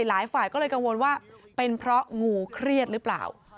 หลายฝ่ายก็เลยกังวลว่าเป็นเพราะงูเครียดหรือเปล่า